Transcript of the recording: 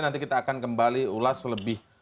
nanti kita akan kembali ulas lebih